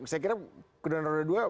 saya kira kendaraan roda dua